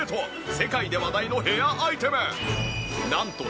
世界で話題のヘアアイテム。